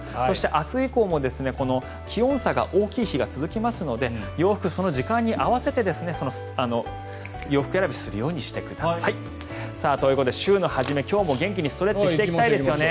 明日以降も気温差が大きい日が続きますので洋服、その時間に合わせて洋服選びをするようにしてください。ということで週の初め今日も元気にストレッチしていきたいですよね。